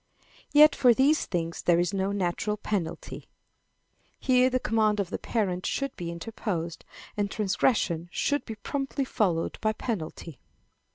Yet for these things there is no natural penalty. Here the command of the parent should be interposed, and transgression should be promptly followed by penalty.